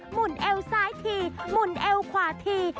หุ่นเอวซ้ายทีหมุนเอวขวาที